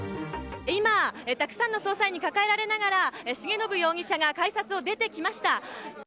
今、たくさんの捜査員に抱えられながら重信容疑者が改札を出てきました。